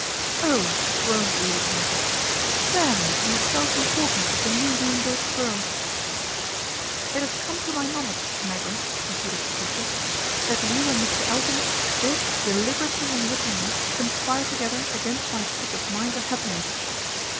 " Oh !" groaned Lady Tanagra, " spare me from the self importance of the newly engaged girl/' " It has come to my knowledge, Tanagra/ proceeded Patricia, " that you and Mr. Elton did deliberately and wittingly conspire together against my peace of mind and happiness.